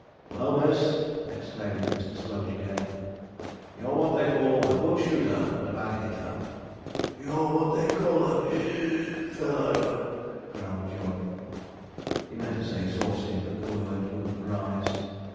'Well missed!' exclaimed Mr. Sponge again. 'You're what they call a good shooter but a bad hitter.' 'You're what they call a (wheeze) fellow,' growled Jog. He meant to say 'saucy,' but the word wouldn't rise.